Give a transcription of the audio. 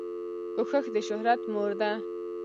کوښښ دشهرت مور ده